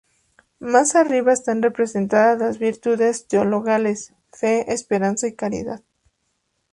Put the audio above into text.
Más arriba están representadas las virtudes teologales, Fe, Esperanza y Caridad.